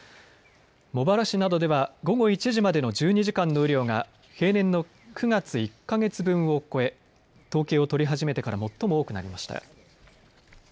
茂原市などでは午後１時までの１２時間の雨量が平年の９月１か月分を超え統計を取り始めてから最も多くなりました。